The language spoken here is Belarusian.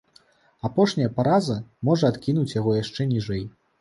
Апошняя параза можа адкінуць яго яшчэ ніжэй.